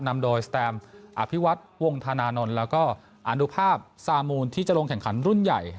นำโดยสแตมอภิวัฒน์วงธนานนท์แล้วก็อนุภาพซามูลที่จะลงแข่งขันรุ่นใหญ่